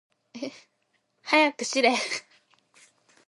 はやくしれ。